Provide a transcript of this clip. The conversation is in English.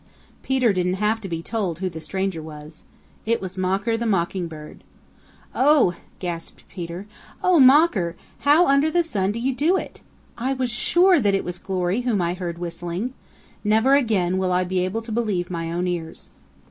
Peter didn't have to be told who the stranger was. It was Mocker the Mockingbird. "Oh!" gasped Peter. "Oh, Mocker, how under the sun do you do it? I was sure that it was Glory whom I heard whistling. Never again will I be able to believe my own ears."